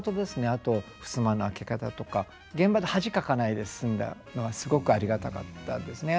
あとふすまの開け方とか。現場で恥かかないで済んだのはすごくありがたかったですね。